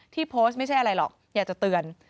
ที่โพสต์ไม่ใช่อะไรหรอกอยากจะเตือน